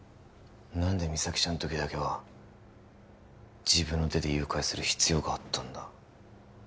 何で実咲ちゃんの時だけは自分の手で誘拐する必要があったんだ？